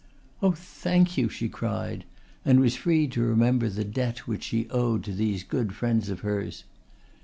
"Oh, thank you," she cried, and was freed to remember the debt which she owed to these good friends of hers.